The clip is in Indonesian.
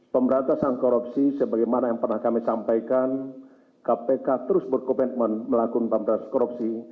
pemberantasan korupsi sebagaimana yang pernah kami sampaikan kpk terus berkomitmen melakukan pemberantasan korupsi